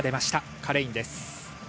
カレインです。